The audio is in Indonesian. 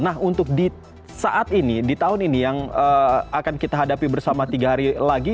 nah untuk di saat ini di tahun ini yang akan kita hadapi bersama tiga hari lagi